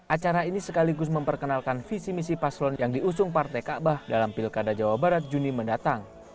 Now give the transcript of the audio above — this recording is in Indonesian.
acara ini sekaligus memperkenalkan visi misi paslon yang diusung partai kaabah dalam pilkada jawa barat juni mendatang